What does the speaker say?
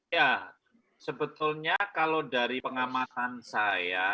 ya sebetulnya kalau dari pengamatan saya